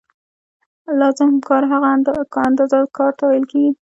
لازم کار هغه اندازه کار ته ویل کېږي